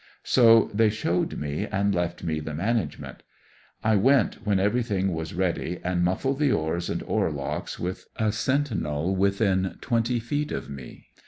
So they showed me and left me the management. I went when every thing was ready, and muffled the oars and oarlocks, with a sentinel within twenty feet of me.